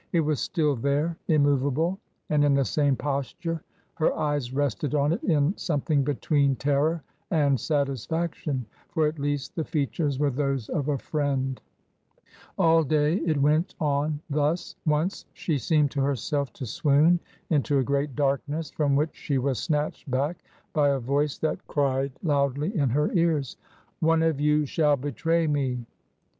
It was still there, immovable. TRANSITION, 305 and in the same posture : her eyes rested on it in some thing between terror and satisfaction — for at least the features were those of a friend. All day it went on thus ; once she seemed to herself to swoon into a great darkness, from which she was snatched back by a voice that cried loudly in her ears —" One of you shall betray me